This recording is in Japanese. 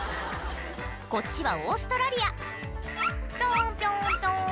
こっちはオーストラリア「ピョンピョンピョン」